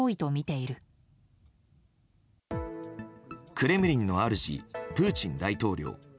クレムリンの主プーチン大統領。